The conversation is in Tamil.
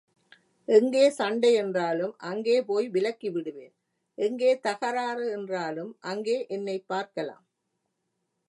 எங்கே சண்டை என்றாலும் அங்கே போய் விலக்கி விடுவேன் எங்கே தகராறு என்றாலும் அங்கே என்னைப் பார்க்கலாம்.